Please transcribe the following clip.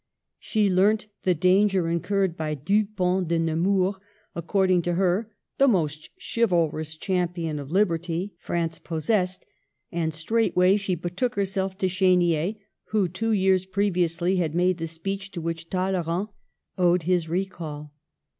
She learnt the danger incurred by Dupont de Nemours, accord ing to her "the most chivalrous champion of lib erty" France possessed, ^nd straightway she betook herself to Chdnier, who, two years pre viously, had made the speech to which Talley rand owed his recall.